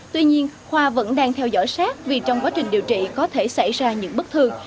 tuy nhiên khoa vẫn đang theo dõi sát vì trong quá trình điều trị có thể xảy ra những bất thường